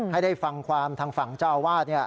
ให้ได้ฟังความทางฝั่งเจ้าอาวาส